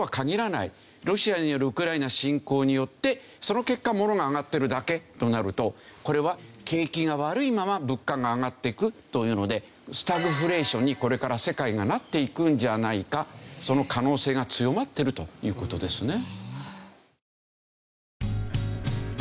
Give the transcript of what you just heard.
ロシアによるウクライナ侵攻によってその結果ものが上がってるだけとなるとこれは景気が悪いまま物価が上がっていくというのでスタグフレーションにこれから世界がなっていくんじゃないかその可能性が強まってるという事ですね。